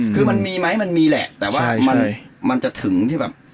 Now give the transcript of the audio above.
คือมันมีไหมมันมีแหละแต่ว่ามันมันจะถึงที่แบบ